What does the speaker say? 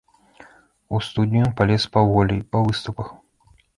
У студню ён палез паволі, па выступах.